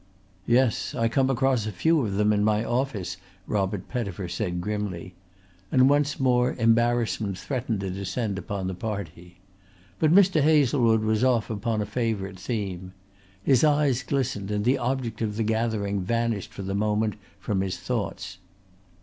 "Yes. I come across a few of them in my office," Robert Pettifer said grimly; and once more embarrassment threatened to descend upon the party. But Mr. Hazlewood was off upon a favourite theme. His eyes glistened and the object of the gathering vanished for the moment from his thoughts.